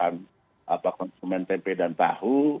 dan juga kepada konsumen tempe dan tahu